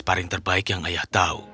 kau adalah yang terbaik yang ayah tahu